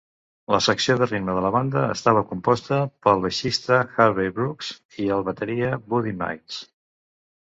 La secció de ritme de la banda estava composta pel baixista Harvey Brooks i el bateria Buddy Miles.